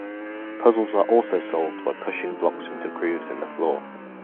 Puzzles are also solved by pushing blocks into grooves in the floor.